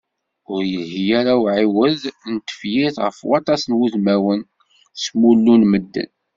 Ur yelhi ara uɛiwed n tefyirt ɣef waṭas n wudmawen, ttmullun medden.